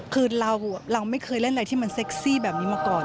คือเราไม่เคยเล่นอะไรที่มันเซ็กซี่แบบนี้มาก่อน